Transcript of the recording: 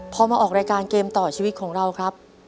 พอมาออกรายการเกมต่อชีวิตของเราครับ